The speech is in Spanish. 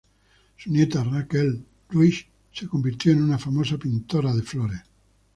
Su nieta Rachel Ruysch se convirtió en una famosa pintora de flores.